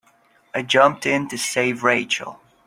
I jumped in to save Rachel.